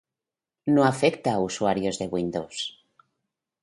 No afecta a usuarios de Windows.